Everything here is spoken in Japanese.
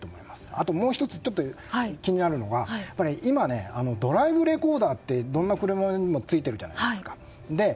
あともう１つ気になるのが今ドライブレコーダーってどの車にもついてるじゃないですか。